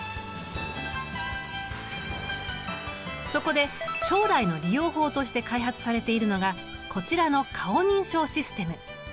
そこで将来の利用法として開発されているのがこちらの顔認証システム。